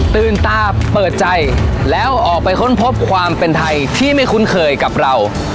ตื่นตาเปิดใจแล้วออกไปค้นพบความเป็นไทยที่ไม่คุ้นเคยกับเรา